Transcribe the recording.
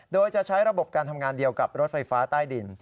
โดยจะใช้ระบบการทำงานเดียวกับรถไฟฟ้าใต้ดิน